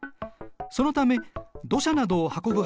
そのため土砂などを運ぶ